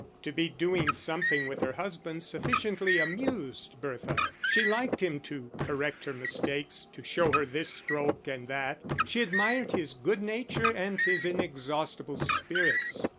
To be doing something with her husband sufficiently amused Bertha. She liked him to correct her mistakes, to show her this stroke and that; she admired his good nature and his inexhaustible spirits.